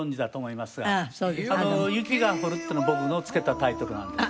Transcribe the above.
『雪が降る』ってのは僕の付けたタイトルなんですよ。